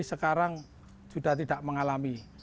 sekarang sudah tidak mengalami